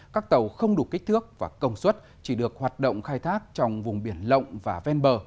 các tàu không đủ kích thước và công suất chỉ được hoạt động khai thác trong vùng biển lộng và ven bờ